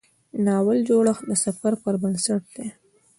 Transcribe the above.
د ناول جوړښت د سفر پر بنسټ دی.